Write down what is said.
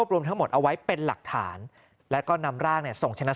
รวมทั้งหมดเอาไว้เป็นหลักฐานแล้วก็นำร่างเนี่ยส่งชนะ